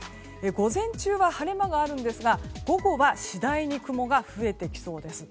午前中は晴れ間があるんですが午後は次第に雲が増えてきそうです。